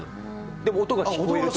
でも音が聞こえると？